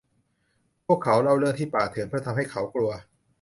พวกเขาเล่าเรื่องที่ป่าเถื่อนเพื่อทำให้เขากลัว